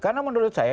karena menurut saya